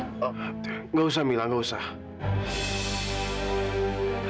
enggak usah mila enggak usah